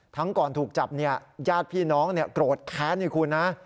ก่อนถูกจับเนี่ยญาติพี่น้องโกรธแค้นให้คุณนะ